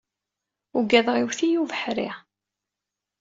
Ugaɣ iwet-iyi ubeḥri.